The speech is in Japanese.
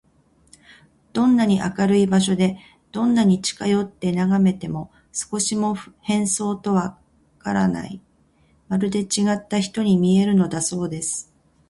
どんなに明るい場所で、どんなに近よってながめても、少しも変装とはわからない、まるでちがった人に見えるのだそうです。